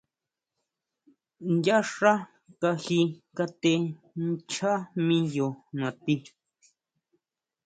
Yá xá kaji kate ncháa miyo natí.